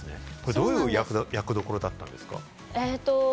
どういう役どころだったんですか？